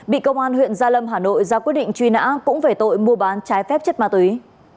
bị công an huyện gia lâm hà nội ra quyết định truy nã cũng về tội mua bán trái phép chất ma túy